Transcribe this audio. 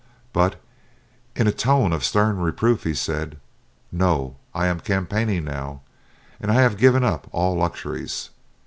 But in a tone of stern reproof he said, "No; I am campaigning now, and I have given up all luxuries."